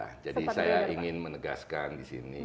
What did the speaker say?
ya jadi saya ingin menegaskan di sini